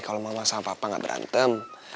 kalau mama sama papa nggak berantem